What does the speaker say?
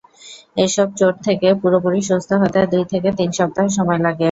এসব চোট থেকে পুরোপুরি সুস্থ হতে দুই থেকে তিন সপ্তাহ সময় লাগে।